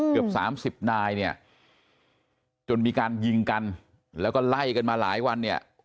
เกือบ๓๐นายเนี่ยจนมีการยิงกันแล้วก็ไล่กันมาหลายวันเนี่ย